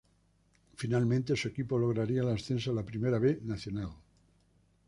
Finalmente su equipo lograría el ascenso a la Primera B Nacional.